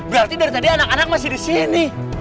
berarti dari tadi anak anak masih di sini